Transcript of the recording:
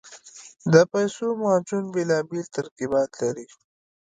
د پیسو معجون بېلابېل ترکیبات لري.